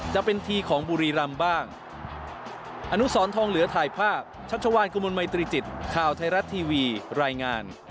จะเป็นทีของบุรีรำบ้าง